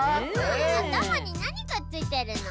あたまになにがついてるの？